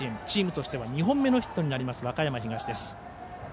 チームとしては２本目のヒットになる和歌山東。